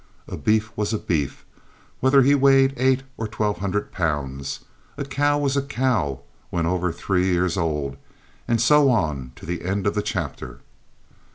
A beef was a beef, whether he weighed eight or twelve hundred pounds, a cow was a cow when over three years old, and so on to the end of the chapter.